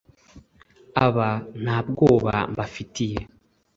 aba nta bwoba mbafitiye